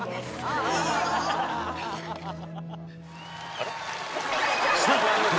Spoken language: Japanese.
あれ？